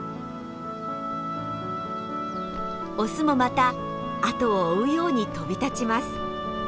オスもまた後を追うように飛び立ちます。